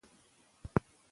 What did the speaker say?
دا ښوونځی تر هغه ښه ده.